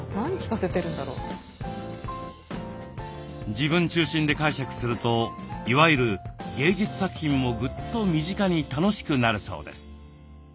自分中心で解釈するといわゆる芸術作品もぐっと身近に楽しくなるそうです。